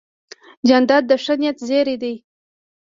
جانداد د ښه نیت زېرى دی.